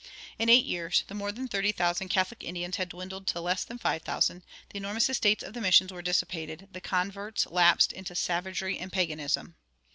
In eight years the more than thirty thousand Catholic Indians had dwindled to less than five thousand; the enormous estates of the missions were dissipated; the converts lapsed into savagery and paganism.